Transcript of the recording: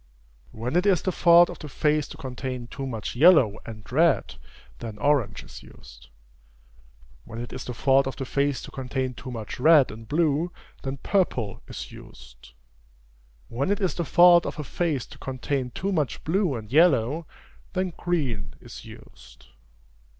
When it is the fault of a face to contain too much yellow and red, then orange is used. When it is the fault of a face to contain too much red and blue, then purple is used. When it is the fault of a face to contain too much blue and yellow, then green is used.